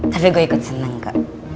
tapi gue ikut seneng kak